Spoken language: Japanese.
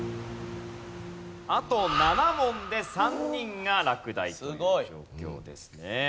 あと７問で３人が落第という状況ですね。